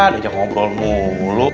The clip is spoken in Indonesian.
diajak ngobrol mulu